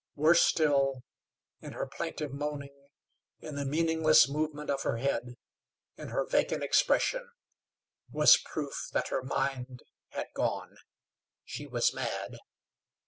Worse still, in her plaintive moaning, in the meaningless movement of her head, in her vacant expression, was proof that her mind had gone. She was mad.